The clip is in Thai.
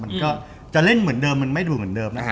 มันก็จะเล่นเหมือนเดิมมันไม่ดูดเหมือนเดิมนะฮะ